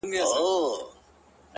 • شاعر: خلیل جبران ,